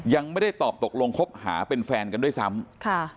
ยังไม่ได้ตอบตกลงคบหาเป็นแฟนกันด้วยซ้ำค่ะ